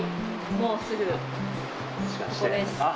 もうすぐ、ここです。